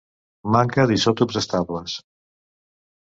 Manca d'isòtops estables.